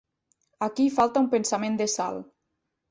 Aquí hi falta un pensament de sal.